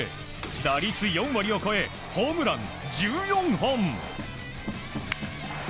打率４割を超えホームラン１４本。